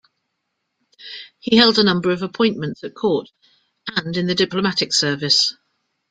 He held a number of appointments at court and in the diplomatic service.